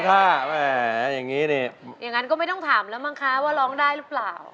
อย่างนั้นก็ไม่ต้องถามแล้วมั้งคะว่าร้องได้หรือเปล่า